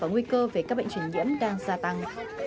và nguy cơ về các bệnh truyền diễn đang gia tăng